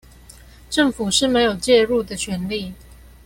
政府是沒有介入的權利